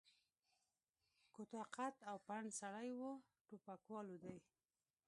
کوتاه قد او پنډ سړی و، ټوپکوالو دی.